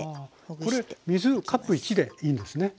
これ水カップ１でいいんですね。